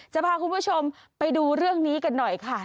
จะพาคุณผู้ชมไปดูเรื่องนี้กันหน่อยค่ะ